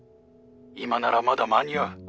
今ならまだ間に合う。